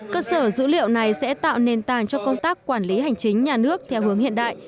cơ sở dữ liệu này sẽ tạo nền tảng cho công tác quản lý hành chính nhà nước theo hướng hiện đại